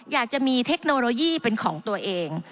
อยากจะมีเทคโนโลยีเป็นของตัวเอง